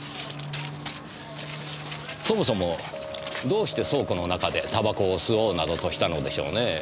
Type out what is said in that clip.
そもそもどうして倉庫の中で煙草を吸おうなどとしたのでしょうねぇ。